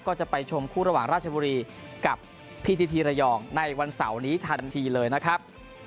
ก็จะไปชมคู่ระหว่างราชบุรีกับพิธีทีระยองในวันเสาร์นี้ทันทีเลยนะครับ